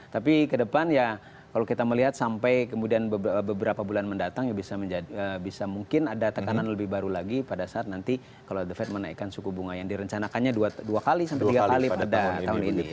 tapi ke depan ya kalau kita melihat sampai kemudian beberapa bulan mendatang ya bisa mungkin ada tekanan lebih baru lagi pada saat nanti kalau the fed menaikkan suku bunga yang direncanakannya dua kali sampai tiga kali pada tahun ini